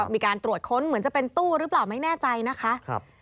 มีการตรวจค้นเหมือนจะเป็นตู้หรือเปล่าไม่แน่ใจนะคะ